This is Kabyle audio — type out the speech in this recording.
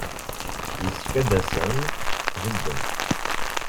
Yessefk ad asen-tbeddem.